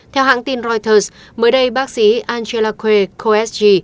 theo hãng tin reuters mới đây bác sĩ angela kueh cosg